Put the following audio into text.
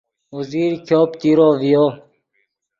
اوزیر ګوپ تیرو ڤیو